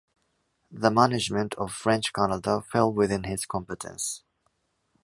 The management of French Canada fell within his competence.